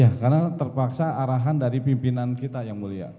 ya karena terpaksa arahan dari pimpinan kita yang mulia